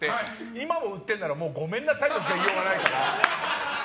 今も売ってるならもうごめんなさいとしか言いようがないから。